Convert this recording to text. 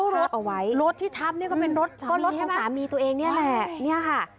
แล้วรถที่ทับนี่ก็เป็นรถของสามีตัวเองเนี่ยแหละเนี่ยค่ะ